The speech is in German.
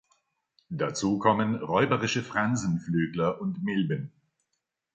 Dazu kommen räuberische Fransenflügler und Milben.